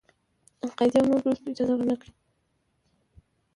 القاعدې او نورو ډلو ته اجازه ور نه کړي.